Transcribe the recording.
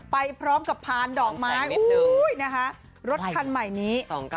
ไปพร้อมกับพานดอกไม้นะคะรถคันใหม่นี้